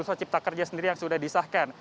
omnibus law cipta kerja sendiri yang sudah disahkan